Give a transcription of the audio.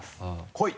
来い！